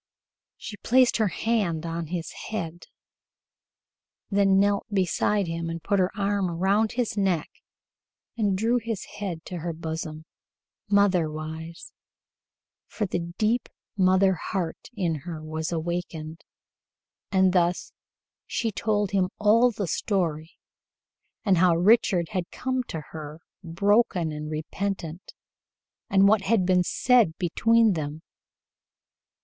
She placed her hand on his head, then knelt beside him and put her arm about his neck and drew his head to her bosom, motherwise, for the deep mother heart in her was awakened, and thus she told him all the story, and how Richard had come to her, broken and repentant, and what had been said between them.